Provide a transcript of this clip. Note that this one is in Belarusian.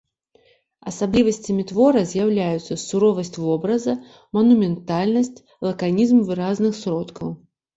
Асаблівасцямі твора з'яўляюцца суровасць вобраза, манументальнасць, лаканізм выразных сродкаў.